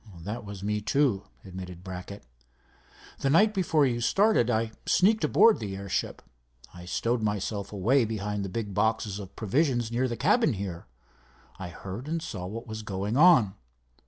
"That was me, too," admitted Brackett. "The night before you started I sneaked aboard the airship. I stowed myself away behind the big boxes of provisions near the cabin here. I heard and saw what was going on.